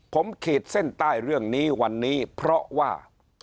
ผมขีดเส้นใต้เรื่องนี้วันนี้เพราะว่า